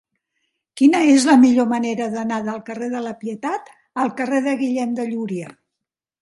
Quina és la millor manera d'anar del carrer de la Pietat al carrer de Guillem de Llúria?